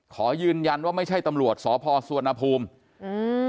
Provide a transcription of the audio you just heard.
ขอยืนยันว่าไม่ใช่ตำรวจสพสวนภูมิอืม